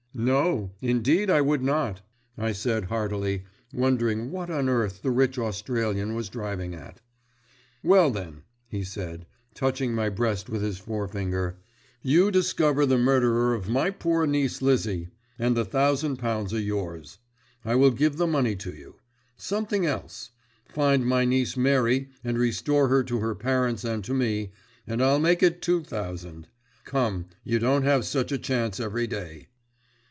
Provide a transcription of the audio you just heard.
"No, indeed I would not," I said heartily, wondering what on earth the rich Australian was driving at. "Well, then," he said, touching my breast with his forefinger, "you discover the murderer of my poor niece Lizzie, and the thousand pounds are yours. I will give the money to you. Something else: find my niece Mary, and restore her to her parents and to me, and I'll make it two thousand. Come, you don't have such a chance every day."